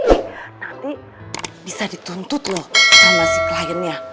nanti bisa dituntut loh sama si kliennya